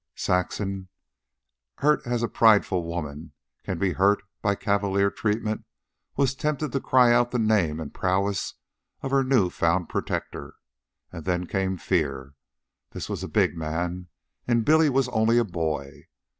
Saxon, hurt as a prideful woman can be hurt by cavalier treatment, was tempted to cry out the name and prowess of her new found protector. And then came fear. This was a big man, and Billy was only a boy.